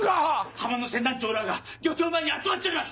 浜の船団長らぁが漁協前に集まっちょります！